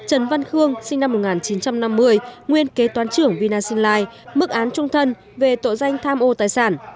trần văn khương sinh năm một nghìn chín trăm năm mươi nguyên kế toán trưởng vinasin life mức án trung thân về tội danh tham ô tài sản